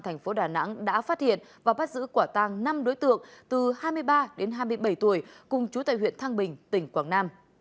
thành phố đà nẵng đã phát hiện và bắt giữ quả tăng năm đối tượng từ hai mươi ba đến hai mươi bảy tuổi cùng chú tại huyện thăng bình tỉnh quảng nam